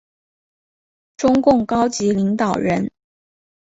中共高级领导人。